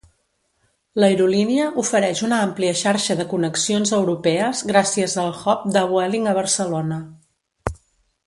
L'aerolínia ofereix una àmplia xarxa de connexions europees gràcies al hub de Vueling a Barcelona.